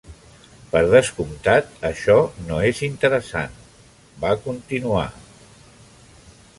Per descomptat, això no és interessant, va continuar.